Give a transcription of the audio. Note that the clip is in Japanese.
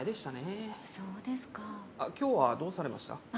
今日はどうされました？